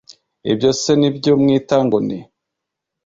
Ibyo se nibyo mwita ngo ni